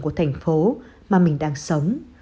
của thành phố mà mình đang sống